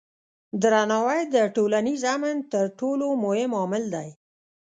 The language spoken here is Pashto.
درناوی د ټولنیز امن تر ټولو مهم عامل دی.